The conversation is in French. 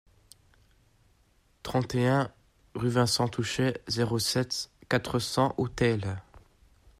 trente et un rue Vincent Touchet, zéro sept, quatre cents au Teil